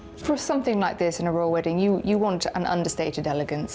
untuk sesuatu seperti ini di pernikahan kerajaan anda ingin eleganca yang tidak terlalu terang